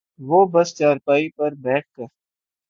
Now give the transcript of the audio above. وہ بس چارپائی پر بیٹھ کر